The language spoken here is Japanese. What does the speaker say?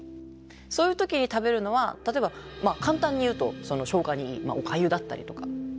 そういう時に食べるのは例えば簡単に言うと消化にいいおかゆだったりとか。